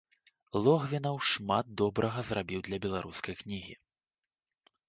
Логвінаў шмат добрага зрабіў для беларускай кнігі.